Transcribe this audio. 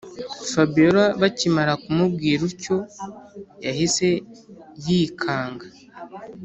fabiora bakimara kumubwira utyo yahise yikanga